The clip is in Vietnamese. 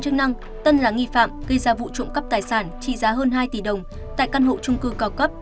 chức năng tân là nghi phạm gây ra vụ trộm cắp tài sản trị giá hơn hai tỷ đồng tại căn hộ trung cư cao cấp